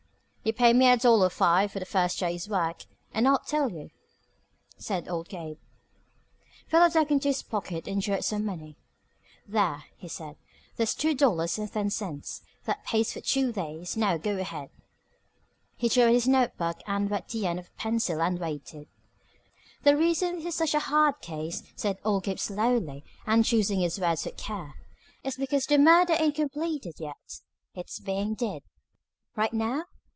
"You pay me a dollar five for the first day's work, and I'll tell you," said old Gabe. Philo dug into his pocket and drew out some money. "There," he said. "There's two dollars and ten cents. That pays for two days. Now, go ahead." He drew out his notebook and wet the end of a pencil and waited. "The reason this is such a hard case," said old Gabe slowly, and choosing his words with care, "is because the murder ain't completed yet. It's being did." "Right now?"